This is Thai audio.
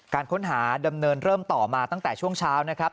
การค้นหาดำเนินเริ่มต่อมาตั้งแต่ช่วงเช้านะครับ